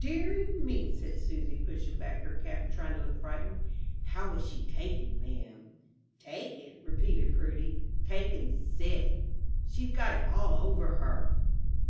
"Deary me," said Susy, pushing back her cap, and trying to look frightened, "how was she taken, ma'am?" "Taken?" repeated Prudy, "taken sick! She's got it all over her."